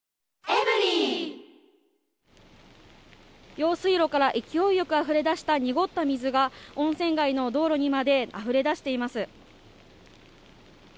用水路から勢いよくあふれ出した濁った水が、温泉街の道路にまであふれ出しています。